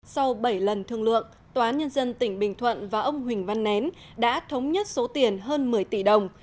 sau bảy lần thương lượng tòa án nhân dân tỉnh bình thuận và ông huỳnh văn nén đã thống nhất số tiền hơn một mươi tỷ đồng